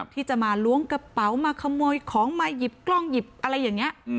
ที่จะมาล้วงกระเป๋ามาขโมยของมาหยิบกล้องหยิบอะไรอย่างนี้